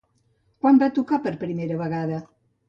Quan van tocar per primera vegada?